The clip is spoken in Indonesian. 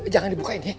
jangan dibukain ya